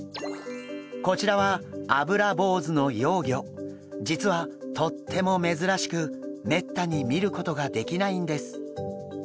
こちらは実はとっても珍しくめったに見ることができないんです。